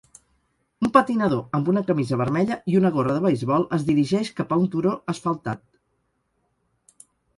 Un patinador amb una camisa vermella i una gorra de beisbol es dirigeix cap a un turó asfaltat.